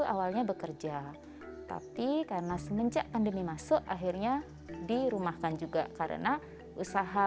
awalnya bekerja tapi karena semenjak pandemi masuk akhirnya dirumahkan juga karena usaha